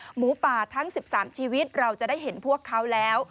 หมูป่าทั้ง๑๓ชีวิตเราจะได้เห็นพวกเขาแล้ว